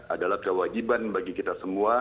adalah kewajiban bagi kita semua